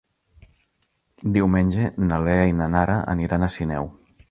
Diumenge na Lea i na Nara aniran a Sineu.